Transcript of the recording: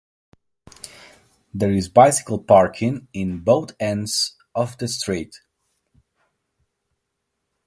There is bicycle parking in both ends of the street.